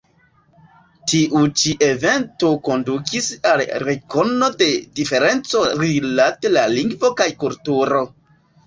Tiu ĉi evento kondukis al rekono de diferenco rilate la lingvo kaj kulturo.